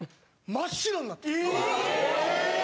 真っ白になった。